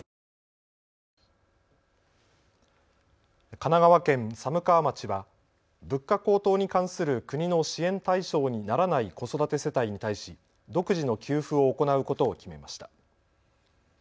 神奈川県寒川町は物価高騰に関する国の支援対象にならない子育て世帯に対し独自の給付を行うことを決めました。